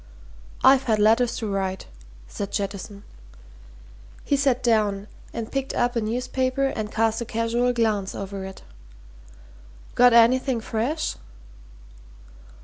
"I've had letters to write," said Jettison. He sat down and picked up a newspaper and cast a casual glance over it. "Got anything fresh?"